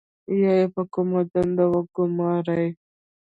یا یې په کومه دنده وګمارئ.